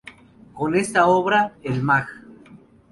Con esta obra el Mag.